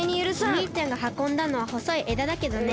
おにいちゃんがはこんだのはほそいえだだけどね。